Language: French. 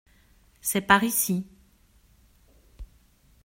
C’est par ici.